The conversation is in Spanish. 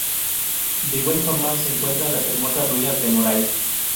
De igual forma se encuentran las hermosas ruinas de Moray.